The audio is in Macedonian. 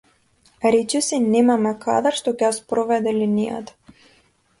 Речиси немаме кадар што ќе ја спроведе линијата.